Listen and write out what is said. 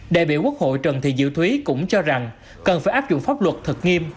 đại biểu quốc hội trần thị diệu thúy cũng cho rằng cần phải áp dụng pháp luật thật nghiêm